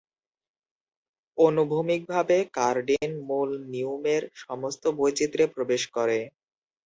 অনুভূমিকভাবে, Cardin মূল নিউমের সমস্ত বৈচিত্র্যে প্রবেশ করে।